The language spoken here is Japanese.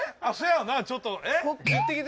あっそやなちょっとえっ！？